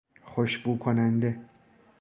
خوشبوکننده